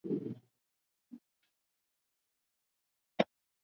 sasa labda watumie ile maji mlikuwa msha chota mkaa